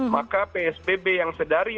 maka psbb yang sedari